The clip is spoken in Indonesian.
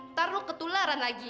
ntar lo ketularan lagi